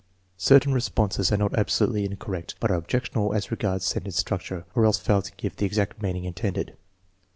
Certain responses are not absolutely incorrect, but are objectionable as regards sentence structure, or else fail to give the exact meaning intended.